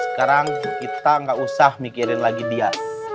sekarang kita gak usah mikirin lagi dia